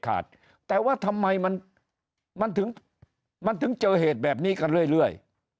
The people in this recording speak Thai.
แต่ว่าทำไมมันถึงมันถึงเจอเหตุแบบนี้กันเรื่อย